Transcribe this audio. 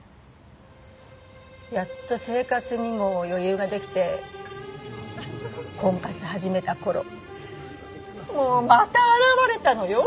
やっと生活にも余裕が出来て婚活始めた頃もうまた現れたのよ。